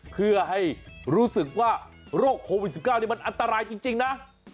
เพื่อให้รู้สึกว่าโรคโควิด๑๙นี่มันอันตรายจริงนะ